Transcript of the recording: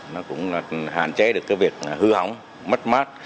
nó cũng hạn chế được cái việc hư hỏng mất mát